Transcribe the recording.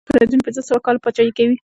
فریدون پنځه سوه کاله پاچهي کوي.